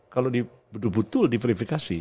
kalau betul betul diverifikasi